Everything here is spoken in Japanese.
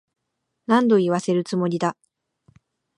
何度言わせるつもりだ。